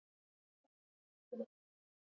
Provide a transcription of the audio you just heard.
فاریاب د افغانستان د فرهنګي فستیوالونو برخه ده.